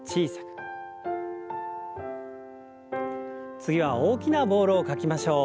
次は大きなボールを描きましょう。